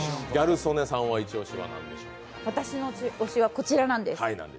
私の推しはこちらなんです。